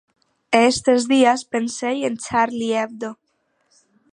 E estes días pensei en Charlie Hebdo.